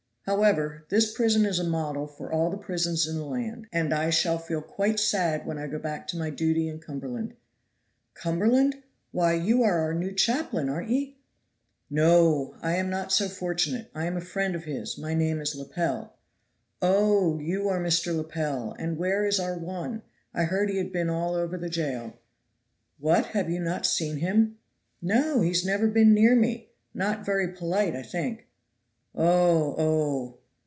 "However, this prison is a model for all the prisons in the land, and I shall feel quite sad when I go back to my duty in Cumberland." "Cumberland? Why, you are our new chaplain, aren't ye?" "No! I am not so fortunate, I am a friend of his; my name is Lepel." "Oh, you are Mr. Lepel, and where is our one? I heard he had been all over the jail." "What, have you not seen him?" "No! he has never been near me. Not very polite, I think." "Oh! oh!"